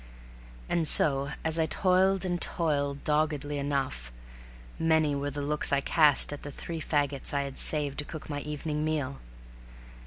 And so as I toiled and toiled doggedly enough, many were the looks I cast at the three faggots I had saved to cook my evening meal.